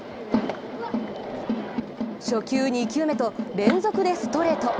初球、２球目と連続でストレート